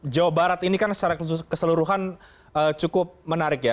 jawa barat ini kan secara keseluruhan cukup menarik ya